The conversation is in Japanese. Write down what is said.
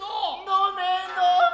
のめのめ。